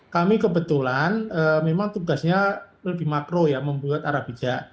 kami kebetulan memang tugasnya lebih makro ya membuat arapija